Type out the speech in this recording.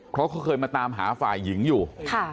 เขาเคยมาตามหาฝ่ายหญิงอยู่ค่ะ